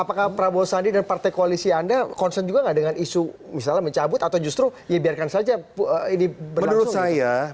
apakah prabowo sandi dan partai koalisi anda concern juga nggak dengan isu misalnya mencabut atau justru ya biarkan saja ini berlangsung